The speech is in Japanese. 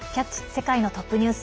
世界のトップニュース」。